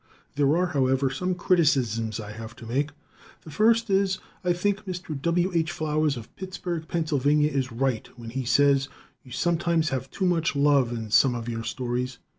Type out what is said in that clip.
There are, however, some criticisms I have to make. The first is: I think Mr. W. H. Flowers of Pittsburgh, Pa, is right when he says you sometimes have too much love in some of your stories.